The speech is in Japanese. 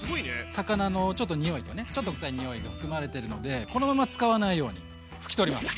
魚のちょっとにおいとねちょっとくさいにおいが含まれてるのでこのまま使わないように拭き取ります。